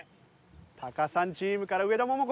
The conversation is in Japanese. タカさんチームから上田桃子